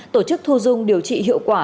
tổ chức thu dung điều trị hiệu quả